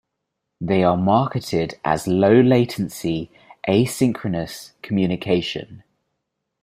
They are marketed as low-latency, asynchronous communication.